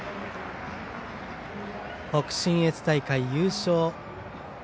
北信越大会優勝。